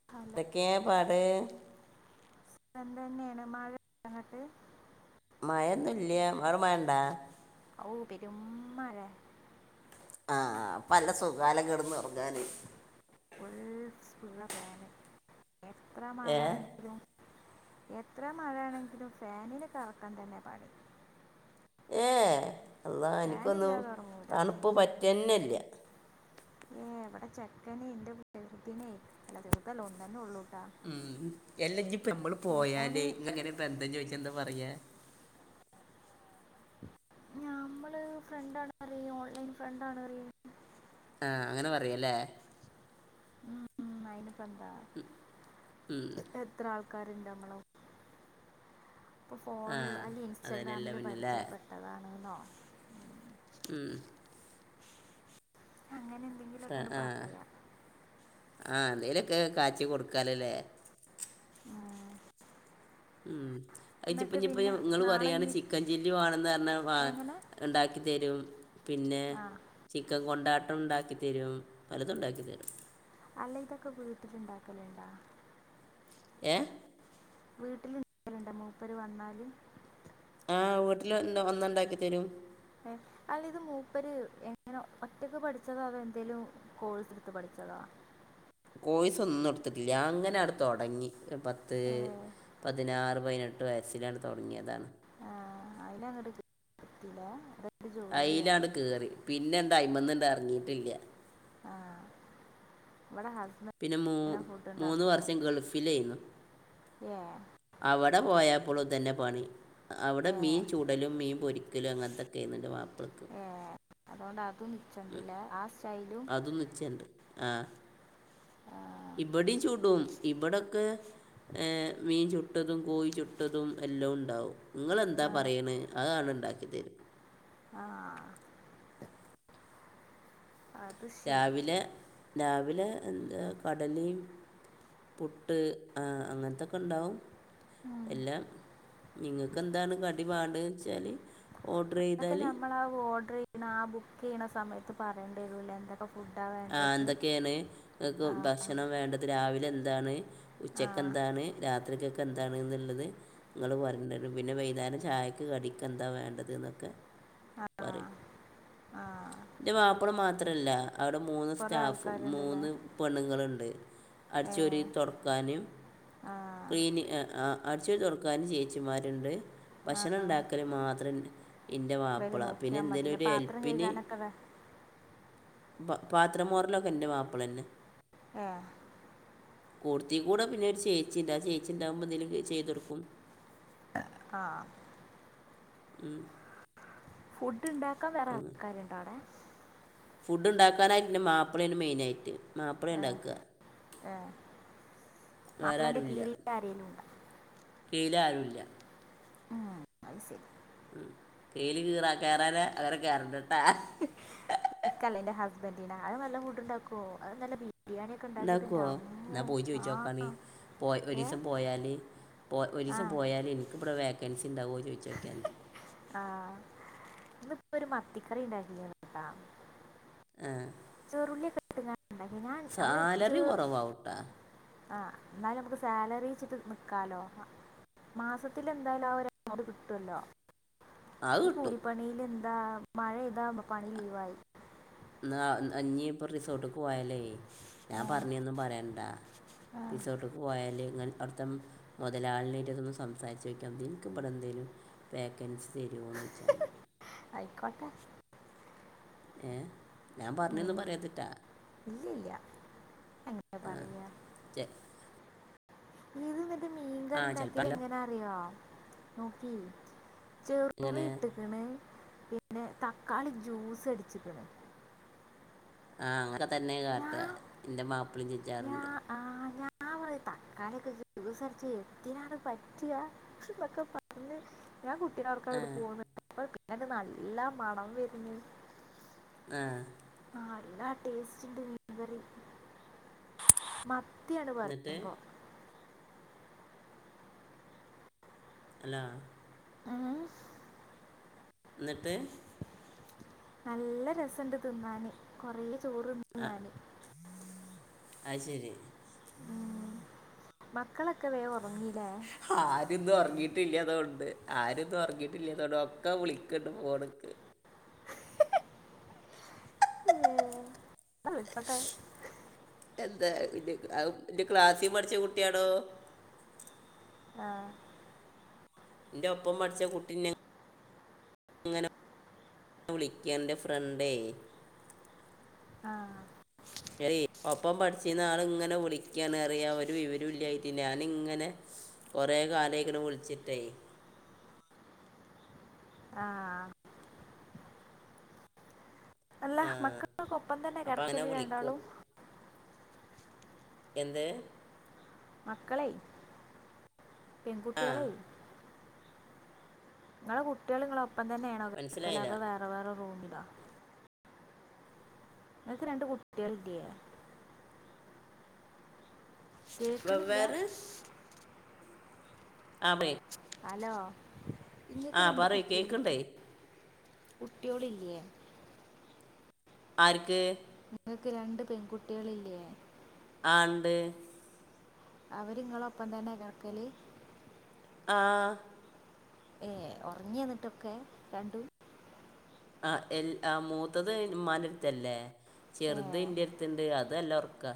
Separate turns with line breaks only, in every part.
ആഹ്
കേ പാട്
അ തന്നെയാണ് മഴണ്ട് ങ്ങട്ട്?
മഴൊന്നുംല്ല അവ്ടെ മയണ്ടാ?
ഔ പെരുംമ്മഴ
ആഹ് അപ്പല്ല സുഖാലെ കേട്നൊറങ്ങാൻ.
ഫുൾസ്പീഡില ഫാന് എത്ര
ഏ
മഴെ ണെങ്കിലും എത്ര മഴയാണെങ്കിലും ഫാനിൽ കറക്കാൻ തന്നെ പണി.
ഏഹ് അള്ളാ എനിക്കൊന്നും
ഫാനില്ലാതെ ഉറങ്ങൂല
തണുപ്പ് പറ്റന്നല്ല.
ഏ എവിടെ ചെക്കന എന്റെ ചെറുതിനെ ഇല്ല ചെറുതല്ല ഒന്ന് തന്നെ ഉള്ളൂട്ടാ
മ് എല്ലാം ഇപ്പ നമ്മള്
ഓന്
പോയാല് എങ്ങനെ ബന്ധം ചോദിച്ച എന്താ പറയാ
ഞമ്മള് ഫ്രണ്ടാണ് പറയും ഓൺലൈൻ ഫ്രണ്ടാണ് പറയും
ആ അങ്ങനെ പറയും അല്ലേ
മ് മ് ആയിനപ്പന്ത
മ് മ്..
എത്ര ആൾക്കാരുണ്ടമ്മളോ ഇപ്പം
ആ
ഫോണിലോ അല്ലെ
അതന്നെയല്ല
ഇൻസ്റ്റാഗ്രാമില്
പിന്നല്ലേ
പരിചയപ്പെട്ടതാണ് ന്നോ
മ്
അങ്ങന
ആഹ് ആഹ് ആഹ് എന്തേലൊക്കെ കാച്ചി കൊടുക്കാലല്ലേ മ് ഇജ്
എന്നിട്ട്
പം
പിന്നെ
നിങ്ങള്
നാളെ
പറയാണ്
ഇനി
ചിക്കൻ ചില്ലി വേണംന്ന് പറഞ്ഞാൽ വാ
എങ്ങനെ
ഉണ്ടാക്കിത്തരും പിന്നെ
ആ
ചിക്കൻ കൊണ്ടാട്ടം ഉണ്ടാക്കിത്തരും പലതും ഉണ്ടാക്കിത്തരും
അല്ല ഇതൊക്കെ വീട്ടില് ഉണ്ടാക്കലുണ്ടോ
ഏ
വീട്ടിൽ [unintelligible] മൂപ്പര് വന്നാലും
ആ വീട്ടിൽ വന്ന് വന്നുണ്ടാക്കി തരും
അല്ല ഇത് മൂപ്പര് എങ്ങനെ ഒറ്റക്ക് പഠിച്ചതാ എന്തേലും കോഴ്സ് എടുത്ത് പഠിച്ചതാ
കോയ്സ് ഒന്നും എടുത്തിട്ടില്ല അങ്ങനട് അങ്ങ് തുടങ്ങി ഒരു പത്ത്
ഏ
പതിനാറ് പതിനെട്ട് വയസിലങ് തുടങ്ങിയതാണ്
ആ അയ്യ്നാങ്കട്പറ്റൂല
അയ്ലാണ്ട് കയറി പിന്നെന്താ അയ്മന്ന് ഇണ്ട് ഇറങ്ങിയിട്ടില്ല
ആഹ് ഇവിടെ ഹസബ
പിന്നെ മൂ മൂന്ന് വർഷം ഗൾഫിൽ ആയിരുന്നു
ഏ
അവിടെ പോയപ്പോളും തന്നെ പണി അവിടെ
ഏ
മീൻ ചൂടലും മീൻ പൊരിക്കലും അങ്ങനത്തൊക്കെ ആയിരുന്നു എന്റെ മാപ്പളക്ക്
ഏ അതുകൊണ്ട് അതും നിച്ചണ്ടില്ലെ ആ സ്റ്റൈലും
അതും നിച്ചണ്ട് ആഹ്
ആഹ്
ഇവിടയും ചൂടും ഇവിടൊക്കെ ഏ മീൻ ചൂ ട്ടതും കോഴി ചുട്ടതും എല്ലാം ഉണ്ടാവും നിങ്ങളെന്താ പറയണ് അതാണ് ഉണ്ടാക്കി തരും
ആഹ് ആഹ്
രാവിലെ രാവിലെ എന്താ കടലേം പുട്ട് അങ്ങനത്തൊക്കെ ഉണ്ടാവും
ഉം.
എല്ലാ നിങ്ങക്ക് എന്താണ് കടി വാണ്ടെ ന്ന് വെച്ചാല്.
അതൊക്കെ നഞമ്മൾ ആ ഓർഡർ ചെയ്യുന്ന ആ ബുക്ക് ചെയ്യണ സമയത്ത് പറയേണ്ടി വരൂലെ എന്തൊ ഫുഡാവേ
ആഹ് എന്തൊക്കെയാണണ് ഭക്ഷണം വേണ്ടത് രാവിലെ എന്താണ് ഉച്ചക്ക്
ആ
എന്താണ് രാത്രികേക്ക് എന്താണ് എന്നുള്ളത് നിങ്ങൾ വരണ്ട് വരും പിന്നെ വൈനേരം ചായക്ക് കടിക്ക് എന്താ വേണ്ടത് എന്നൊക്കെ
ആ
പറയും
ആ
എന്റെ മാപ്പള മാത്രല്ല അവിടെ മൂന്ന്
കുറേ
സ്റ്റാഫും
ആൾക്കാരുണ്ടല്ലേ
മൂന്ന് പെണ്ണുങ്ങളുണ്ട്
ഏ
അടിചൊരി തുടക്കാനും
ആ
ക്ലീനിങ് ങാ ങാ അടച്ചൊരി തുടക്കാനും ചേച്ചിമാരുണ്ട്
ആ
ഭക്ഷണം ഉണ്ടാക്കല് മാത്രം ഇൻ്റെ
ഇവര്
മാപ്പിള പിന്നെ
നോക്കിയാൽ
എന്തേങ്കലും
മതിയല്ലേ
ഒരു
പാത്രം
എല്പ്പിന്
കഴുകാനൊക്കെ വേ
പാ പാത്രമോറലൊക്കെ ഇന്റെ മാപ്പിള് തന്നെ.
ആഹ്
കൂടുത്തീടെ പിന്നെ ചേച്ചിണ്ട് ആ ചേച്ചിയുണ്ടാവുമ്പോ എന്തെലും ചെയ്‌തു കൊടുക്കും.
ആഹ്
ഉം
ഫുഡ് ഇണ്ടാക്കാൻ വേറെ
അങ്ങനെ
ആൾക്കാരുണ്ടോ അവിടെ?
ഫുഡ് ഇണ്ടാക്കാനായിട്ട് ഇന്റെ മാപ്പിളേണ് മെയിനായിറ്റ് മാപ്പിളെ
ഏ
ഇണ്ടാക്കാ,
ഏ
വേറെ
മാപ്പിളൻ്റെ
ആരുമില്ല.
കീഴിൽ ആരെങ്കിലും ഉണ്ടോ
[unintelligible]
ഉം അത് സരി
ഉം കേലി കീറാ കേറാനാ അങ്ങനെ കേറണ്ടട്ടാ ഹ
ഇക്കല്ല ഇന്റെ ഹുസ്ബൻഡിനാ അത് നല്ല ഫുഡ് ഉണ്ടാക്കുവോ, അത് നല്ല ബിരി ബിരിയാണി ഒക്കെ ഉണ്ടാക്കീട്ട്
ഉണ്ടാക്കുമോ
ഇന്റെറമ്മോ ആഹ്
പോയ് ഒരീസം പോയാല് പോ ഒരീസം
ആ
പോയാല് ഇന്ക് ഇവിടെ വേക്കൻസി ഉണ്ടാവോ ചോയ്ച്ചൊക്യാദി
ആഹ് ഇന്നിപ്പൊ ഒരു മത്തിക്കറി ഇണ്ടാക്കി കൊടുക്കാം.
ആഹ്
ചെറുള്ളി ഒക്കെ ഇട്ട് കാണ്ട് ഇണ്ടാക്കി ഞാൻ ഞ്ഞമ്മള്
സാലറി
ചേർ
കുറവാവും കേട്ടാ
ആഹ് അന്നാലും നമുക്ക് സാലറി വെച്ചിട്ട് നിക്കാലോ ആഹ്. മാസത്തിലെന്തായാലും ആ ഒരു [unintelligible] കിട്ടു അല്ലോ
അത്
ഈ
കിട്ടും
കൂലിപ്പണീല് എന്താ മഴെയ്താ പണി ലീവായി
എന്നാ ഇനി ഇപ്പം റിസോട്ട് പോയാലേ? ഞാൻ പറഞ്ഞീന്നും പറയണ്ടാ റിസോട്ട്ക്ക് പോയാല് ഇങ്ങ അവിടുത്തെ മുതലാളിനായിട്ട് അതൊന്ന് സംസാരിച്ച് നോക്കിയ മതി, ഇനിക്ക്ഇവിടെ എന്തേലും. വേക്കൻസി തരാന്നായ്ച്ചാണ്ട്
അയ്ക്കോട്ടേ
ഏ ഞാൻ പറഞ്ഞെന്നു
ഉം.
പറയരുത് കേട്ടോ
ഇല്ല ഇല്ല അങ്ങനെ
ആഹ്
പറയാ
ചെ
ഇത് മറ്റെ
ആ
മീൻകറി ഇണ്ടാക്കിയത്
ചിലപ്പോൾ
എങ്ങനാ അറിയോ നോക്കി ചെറുള്ളി
ഇങ്ങനെ
ഇട്ട്ക്ക്ണ് പിന്നെ തക്കാളി ജ്യൂസടിച്ചിക്ക്ണ്
ആഹ് അങ്ങന തന്നെ കാട്ടുക
ഞാൻ
എന്റെ മാപ്പിളെയും
ഞാൻ
ചോദിക്കാറുണ്ട്.
ആ ഞാ ൻ തക്കാളി ഒക്കെ ജ്യൂസടിച്ചെ എത്തിനാണ് പറ്റാ അതൊക്കെ പറ ഇന്ന് ഞാൻ കുട്ടിനൊർക്കാ
ആ
ങ്ങണ്ട് പോന്ന് അപ്പ പിന്നണ്ട് നല്ല മണം വര്ന്
ആ
നല്ല ടേസ്റ്റ് ഇണ്ട് മീൻകറി. മത്ത്യാണ് പറയു
എന്നിട്ട്
യുമ്പോ
ഹലോ എന്നിട്ട്
നല്ല രസണ്ട് തിന്നാന് കൊറെ ചോറ് തിന്നു
അ
ഞാൻ
അത് ശരി
ഉം മക്കളൊക്കെ വേഗം ഉറങ്ങിലേ?
ആരും ഇന്ന് ഉറങ്ങിയിട്ടില്ലാത് കൊണ്ട് ആരും ഇന്ന് ഉറങ്ങിയിട്ടില്ല അതുകൊണ്ട് ഒക്കെ വിളിക്കുണ്ട് ഫോണുക്ക്.
എന്നാ വിളിച്ചോട്ടെ?
എന്തേ അത് പിന്നെ അത് ഇന്റെ ക്ലാസി പഠിച്ച കുട്ടിയാടോ
ആഹ്
ഇന്റൊപ്പം പഠിച്ച കുട്ടി ന്നെ എന്നെ വിളിക്കുണ്ട് എന്റെ ഫ്രണ്ടേ.
ആഹ്
ഏയ് ഒപ്പം പഠിച്ചീന്ന് ആള് ഇങ്ങനെ വിളിക്കാണ് അറിയാൻ ഒരു വിവരൂയില്ല്യയിട്ട് ഞാൻ ഇങ്ങനെ. കൊറേ കാലയ്ക്ക്ണ് വിളിച്ചിട്ടേ യ്
ആഹ്. അല്ല
ആ
മക്കളൊക്കൊപ്പം തന്നെ
അപ്പം അങ്ങനെ
കെടക്കല്
വിളിക്കും
രണ്ടാളും?
എന്ത്?
മക്കളെയ്
ആ
പെൺകുട്ട്യേളെയ്. ഇങ്ങളെ കുട്ടിള് ഇങ്ങളൊപ്പം തന്നേണോ കെടക്കല്?
മനസ്സിലായില്ല
അതോ വേറെ വേറെ റൂമിലോ? അൻക് രണ്ട് കുട്ട്യേളില്ലേ? കേക്ണില്ല്യ?
വെവ്വേറെ ആഭെ.
അലോ ഇങ്ങക്ക്
ആ
രണ്ട്
പറയ്
കുട്ടിയോളില്ലേ?
കേൾക്കണ്ടേ
കുട്ട്യോളില്ലേ?
ആര്ക്ക്?
ഇങ്ങക്ക് രണ്ട് പെൺകുട്ട്യോളില്ലേ?
ആഹ് ണ്ട്.
അവരിങ്ങളപ്പം തന്നെ കൊക്കല്?
ആഹാ
ഏഹ് ഉറങ്ങ്യന്ന്ട്ടൊക്കെ രണ്ടും?
ആ എല്ല ആഹ് മൂത്തത് മ്മാന്റെര്ത്തല്ലേ?
ഏ
ചെറുത് ന്റെടുത്ത്ണ്ട് അതല്ലൊറക്കാ.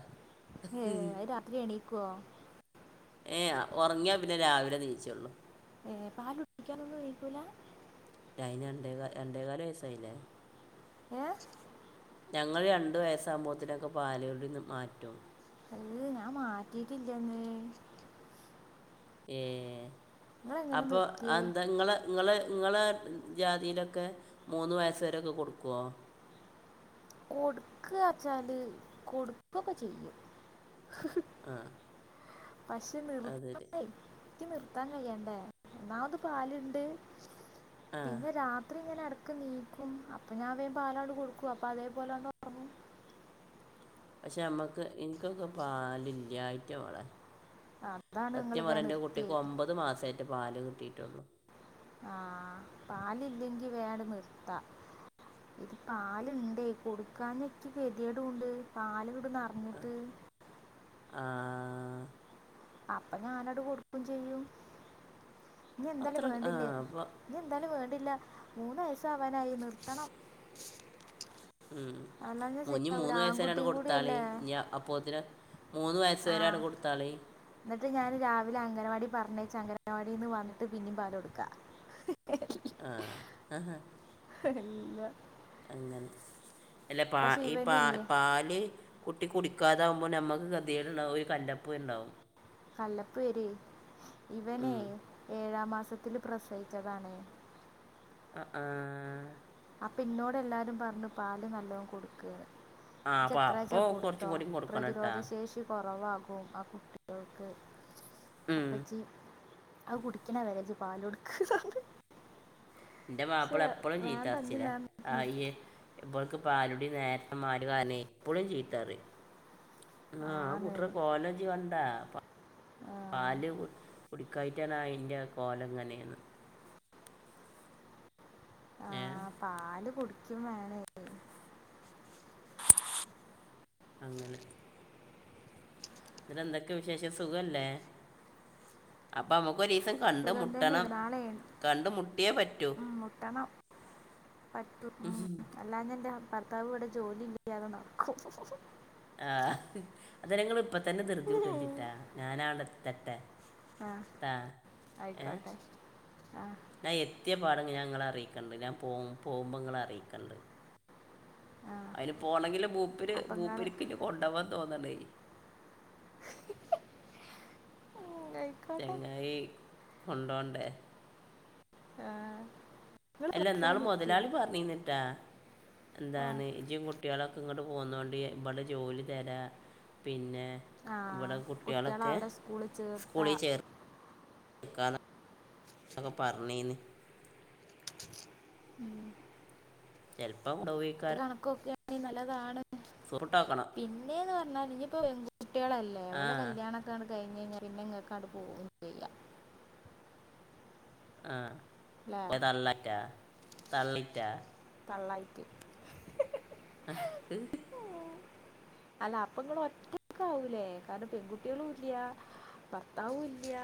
ഏ അത് രാത്രി എണീകോ?
എഹേ ഒറങ്ങിയാ പിന്നെ രാവിലെ നീച്ചൊള്ളൂ.
എഹേ പാലുടിക്കാനൊന്നും നീക്കൂല?
അയ്ന് രണ്ടേകാ രണ്ടേകാല് വയസ്സായിലേ
ഏഹേ?
ഞങ്ങൾ രണ്ട് വയസ്സാമ്പോത്തിനൊക്കെ പാലുകുടിന്ന് മാറ്റും.
അഹ് ഞാ മാറ്റീട്ടില്ല്യന്ന്
ഏഹേ
നിങ്ങളെങ്ങനെ
അപ്പൊ
നിർത്തിയേ
അയെന്താ? ഇങ്ങളെ ങ്ങൾ ങ്ങളെ ജാതീലൊക്കെ മൂന്ന് വയസ്സ് വരൊക്കെ കൊടുക്ക്വോ?
കൊട്ക്കാച്ചാല് കൊട്ക്കൊക്കെ ചെയ്യും.
ആഹ്.
പശെ നിറ്ത്തണ്ടെ? ഇക്ക് നിർത്താൻ കയ്യണ്ടേ ഒന്നാമത് പാല്ണ്ട്
ആ
പിന്നെ രാത്രി ഇങ്ങനെ എട, ട്ക്ക് നീക്കും അപ്പൊ ഞാവേ പാലാണ്ട് കൊടുക്കും അപ്പതേപോലാണ്ടൊറങ്ങും
പക്ഷെ അമ്മക്ക് ഇൻക്കൊക്കെ പാലില്ലായ്റ്റവളെ.
ഉറ- അതാണ് നിങ്ങൾ
സത്യം
വേ
പറയെന്റെ
നിർത്തിയേ
കുട്ടിക്ക് ഒമ്പത് മാസെറ്റേ പാല് കിട്ടീട്ടൊള്ളു.
ആഹ് പാലില്ലെങ്കി വേട് നിർത്ത. പാല്ണ്ടേ കൊടുക്കാഞ്ഞിക്ക് കെതിയേടുണ്ട് പാല്ങ്ങട് നർ
ആഹ്.
അപ്പൊ ഞാനട് കൊടുക്കും ചെയ്യും ന്നന്താലും
അത്ര ആ
വേണ്ടില്ലേ
അപ്പോൾ
ഇനി ന്താലും വേണ്ടില്ല മൂന്ന് വയസാവാനായി നിർത്തണം. അല്ലാഞ്ഞാ
ഇനി
സെരിയാവൂല
മൂന്ന് വയസ്സ് വരെയാണ്
ആൺകുട്ടീം
കൊടുത്താളി
കൂടിയല്ലേ.
ഇനി അപ്പോത്തിന് മൂന്ന് വയസ്സ് വെരെയാണ്ട് കൊടുത്താളീം.
ന്ന്ട്ട് ഞാന് രാവിലെ അംഗനവാടി പറഞ്ഞേച്ച് അംഗനവാടിന്ന് വന്ന്ട്ട് പിന്നിം പാലൊട്ക്കാ. [inaudible]
ആഹ് അഹ്
ല്ല.
അങ്ങനെ എല്ല പാ
പക്ഷെ
ഈ പാ
ഇവനില്ലേ
പാല്. കുട്ടി കുടിക്കാതാവുമ്പോ ഞമ്മക്ക് കെതേട്ണ്ടാവു ഒരു കല്ലപ്പൂണ്ടാവും.
കല്ലപ്പ്പ് വെരോയ് ഇവനെ
ഉം.
ഏഴാം മാസത്തില് പ്രസവിച്ചതാണേ
അ ആഹ്.
അപ്പ ഇന്നോട് എല്ലാരും പർഞ്ഞു പാല് നല്ലോം കൊട്ക്ക്ന്ന്.
ആ
ജ്
അപ്പോൾ
ത്രെച്ചാ
അപ്പോൾ കുറച്ചും
കൊടുത്തോ
കൂടി കൊടുക്കണം കേട്ടാ
പ്രതിരോധശേഷി കൊറവാകും അ. [unintelligible]
ഉം.
അപ്പച്ചി. അഹ് കുടിക്ക്ണ വരെ ഇജ് പാലൊട്ക്ക് [inaudible]
ഇന്റെ മാപ്പള എപ്പളും
വേണ്ട അഞ്ഞ്
ചീത്തർച്ചില
നേരം
ആ യെ ബൾക്ക് പാലുടി നേര്ത്തെ മാറ്റ് കാര്ണെ എപ്പളും ചീത്തറിയും. ആ
ആന്ന്
കുട്ട്ടെ കോലൻ ഇജ് കണ്ടാ പാ
ആ,
പാല് കുട് കുടി ക്കായ്ട്ടാണ് അയ്ന്റെ കോലെങ്ങനെന്ന്.
ആ
എസ്
പാല് കുടിക്കും വേണേ.
അങ്ങനെ. നട്ട് എന്തൊക്കെ വിശേഷം സുഖല്ലേ അപ്പ ഞമ്മ മ്മക്കൊരീസം. കണ്ട്
സുഖം
മുട്ടണം
തന്നെയാണ് നാളെ
കണ്ട് മുട്ട്യേ പറ്റൂ.
ഉം, മുട്ടണം പറ്റും. ഉം. അല്ലാഞ ന്റെ ഭർത്താവ് ഇവ്ടെ ജോലി ഇല്ലാതെ നട്ക്കും. [unintelligible]
ആ [unintelligible] അതരെ ഇങ്ങള് ഇപ്പത്തന്നെ ധ്ർതിയൂട്ടല്ലിട്ടാ. ഞാനാണ്ട് എത്തട്ടെ. ആ. ഏ.
ആയിക്കോട്ടെ ആ
ഞാൻ എത്യ പാടെ ഞാ ങ്ങളെ അറിയിക്കണ്ട് ഞാൻ പോ പോവുമ്പോ ങ്ങളെ അറിയിക്കണ്ട്.
ആ
അയ്ന് പോണങ്കിൽ മൂപ്പര്
അപ്പം ഇങ്ങള്
മൂപ്പര്ക്ക്ന്നെ കൊണ്ടോവാ തോന്നണേ.
ആ ഹ്. [inaudible]
ചങ്ങായി കൊണ്ടോണ്ടേ.
നിങ്ങൾ
അല്ല
പ്രസവം
ന്നാള്
നിർത്തിയാ
മൊതലാളി പർഞ്ഞീന്ന്ട്ടാ
ഏ
എന്താണ് ഇജും കുട്ട്യാളൊ. ക്ക്ങ്ങട്ട് പോന്നോണ്ടി ഇബടെ ജോലി തരാ പിന്നെ.
ആ
ഇവ്ടെ
കുട്ടികളെ
കുട്ട്യാളൊക്കെ
അവിടെ സ്കൂളിൽ ചേർത്ത
സ്കൂളിൽ ചേർ. കാണാ ന്നൊക്കെ പർഞ്ഞീന്ന്.
ഉം. [inaudible]
ചെൽപ്പം ണ്ടോ. [unintelligible]
ത് കണക്കോക്കാണെ നല്ലതാണ്.
സൂപ്പിട്ടോക്കണം
പിന്നേന്ന് പർഞ്ഞാൽ ഇഞ്ഞ്പ്പോ [unintelligible] പെൺകുട്ട്യാളൽ ഏ
ആ
വല്ലോകല്ല്യാണൊക്കാണ്ട് കഴിഞ്ഞയ്ഞ്ഞാൽ പിന്നെങ്ങക്കാണ്ട് പോവും ചെയ്യാ.
ആഹ്
അല്ലേ
പോ തള്ളറ്റാ തള്ളിറ്റാ.
തള്ളയ്റ്റ്. [unintelligible]
[unintelligible]
അല്ല അപ്പ ഇങ്ങള് ഒറ്റക്കാവൂലേ കാര്ണം പെൺകുട്ട്യാളുല്ല്യ. ബർത്താവുല്ല്യ.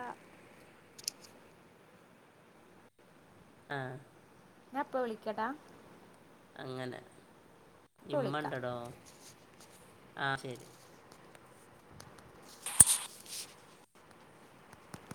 ആ
ഞാ പ്പൊ വിളിക്കടാ.
അങ്ങനെ
ഇപ്പം വിളിക്കാം
ഇമ്മണ്ടടോ ആ ശെരി.